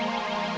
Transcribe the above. kita ke rumah